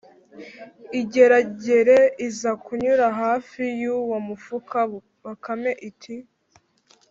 Ingeragere iza kunyura hafi y’uwo mufuka, Bakame iti